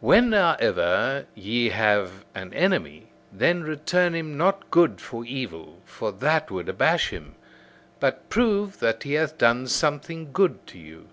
When, however, ye have an enemy, then return him not good for evil: for that would abash him. But prove that he hath done something good to you.